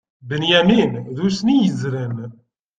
Binyamin, d uccen i yezzren.